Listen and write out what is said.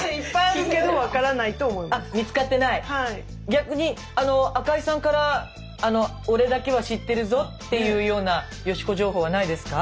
逆に赤井さんから俺だけは知ってるぞっていうような佳子情報はないですか？